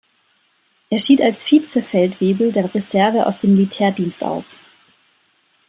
Er schied als Vizefeldwebel der Reserve aus dem Militärdienst aus.